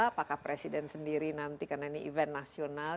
apakah presiden sendiri nanti karena ini event nasional